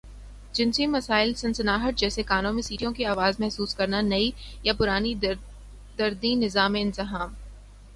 جنسی مسائل سنسناہٹ جیسے کانوں میں سیٹیوں کی آواز محسوس کرنا نئی یا پرانی دردیں نظام انہضام